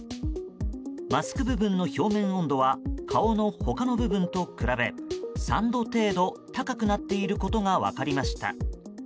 マスク部分の表面温度は顔の他の部分と比べ３度程度高くなっていることが分かりました。